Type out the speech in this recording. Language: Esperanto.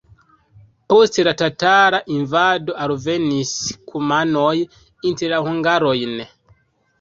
Post la tatara invado alvenis kumanoj inter la hungarojn.